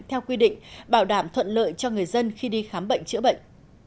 theo quy định bảo đảm thuận lợi cho người dân khi đi khám bệnh chữa bệnh